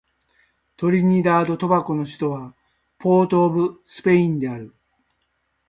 トリニダード・トバゴの首都はポートオブスペインである